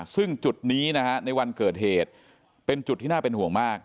ซึ่งจุดนี้นะฮะในวันเกิดเหตุเป็นจุดที่น่าเป็นห่วงมาก